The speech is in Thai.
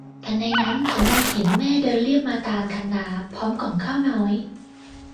ทันใดนั้นเขามองเห็นแม่เดินเลียบมาตามคันนาพร้อมก่องข้าวน้อย